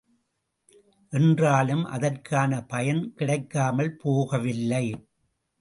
என்றாலும், அதற்கான பயன் கிடைக்காமல் போகவில்லை.